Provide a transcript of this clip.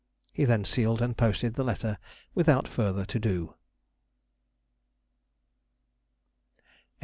He then sealed and posted the letter without further to do.